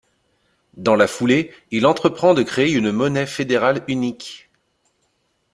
Dans la foulée, il entreprend de créer une monnaie fédérale unique.